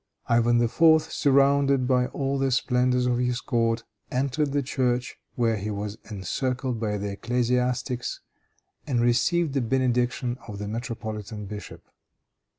Ivan IV., surrounded by all the splendors of his court, entered the church, where he was encircled by the ecclesiastics, and received the benediction of the metropolitan bishop.